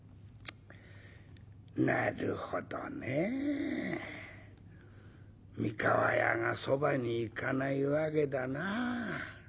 なるほどね三河屋がそばに行かない訳だな。